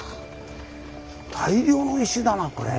大量の石だなこれ。